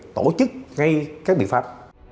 tổ chức ngay các biện pháp